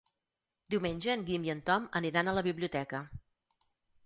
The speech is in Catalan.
Diumenge en Guim i en Tom aniran a la biblioteca.